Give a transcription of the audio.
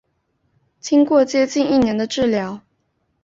经过接近一年的治疗